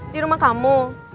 di rumah kamu